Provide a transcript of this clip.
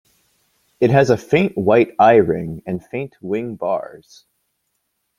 It has a faint white eye ring and faint wing bars.